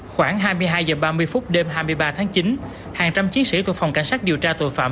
khoảng hai mươi hai h ba mươi phút đêm hai mươi ba tháng chín hàng trăm chiến sĩ thuộc phòng cảnh sát điều tra tội phạm